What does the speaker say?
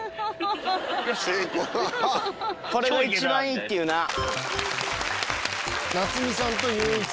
これが一番いいって言うなぁ。